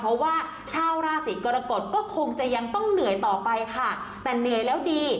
เพราะว่าชาวราศีกรกฎก็คงจะยังต้องเหนื่อยต่อไปค่ะแต่เหนื่อยแล้วดี